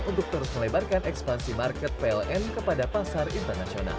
untuk terus melebarkan ekspansi market pln kepada pasar internasional